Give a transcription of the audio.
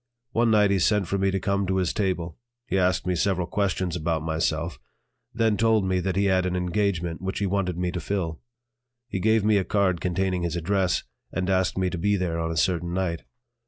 One night he sent for me to come to his table; he asked me several questions about myself; then told me that he had an engagement which he wanted me to fill. He gave me a card containing his address and asked me to be there on a certain night.